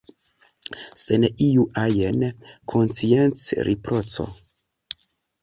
Sen iu ajn konsciencriproĉo...